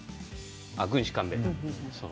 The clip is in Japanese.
「軍師官兵衛」だ。